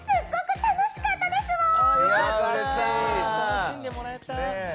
楽しんでもらえた！